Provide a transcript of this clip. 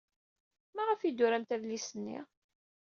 Maɣef ay d-turamt adlis-nni?